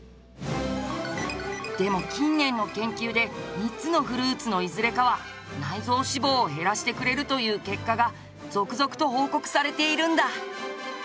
でも近年の研究で３つのフルーツのいずれかは内臓脂肪を減らしてくれるという結果が続々と報告されているんだ！